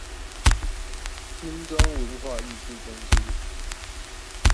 新莊文化藝術中心